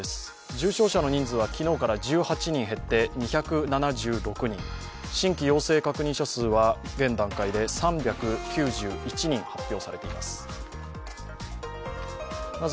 重症者の人数は昨日から１８人減って２７６人新規陽性確認者数は現段階で３９１人と発表されています。